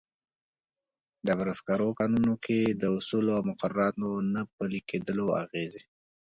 ډبرو سکرو کانونو کې د اصولو او مقرراتو نه پلي کېدلو اغېزې.